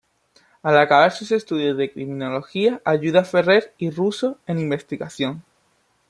Al acabar sus estudios de criminología ayuda a Ferrer y Ruso en investigación.